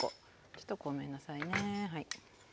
ちょっとごめんなさいね。